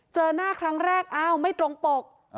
เจอหน้าครั้งแรกอ้าวไม่ตรงปก